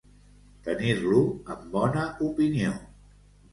Tenir-lo en bona opinió.